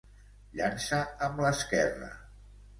Llança amb l'esquerra.